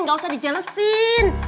nggak usah dijelestin